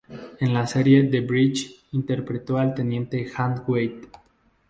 En la serie "The Bridge", interpretó al teniente Hank Wade.